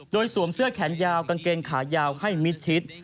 โดยสวมเสื้อแขนยาวกางเกงขายาวให้มิดชิด